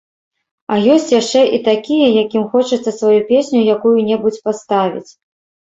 А ёсць яшчэ і такія, якім хочацца сваю песню якую-небудзь паставіць.